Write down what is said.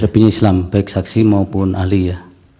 pebinya islam baik saksi maupun ahli ya